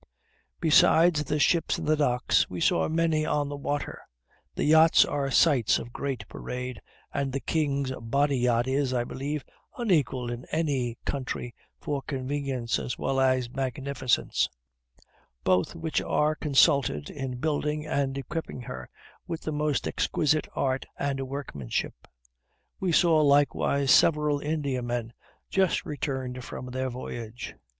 Besides the ships in the docks, we saw many on the water: the yachts are sights of great parade, and the king's body yacht is, I believe, unequaled in any country for convenience as well as magnificence; both which are consulted in building and equipping her with the most exquisite art and workmanship. We saw likewise several Indiamen just returned from their voyage.